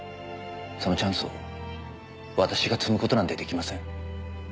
そのチャンスを私が摘む事なんて出来ません。